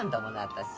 私。